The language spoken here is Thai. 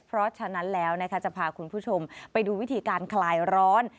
เพราะฉะนั้นแล้วนะคะจะพาคุณผู้ชมไปดูวิธีการคลายร้อน